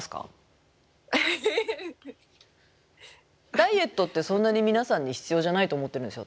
ダイエットってそんなに皆さんに必要じゃないと思ってるんですよ